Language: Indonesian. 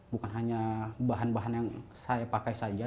bukan hanya bahan bahan yang saya pakai saja